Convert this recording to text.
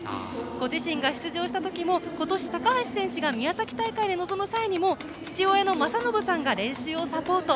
ご自身が出場した時も今年、高橋選手が宮崎大会に臨む際にも父親のまさのぶさんが練習をサポート。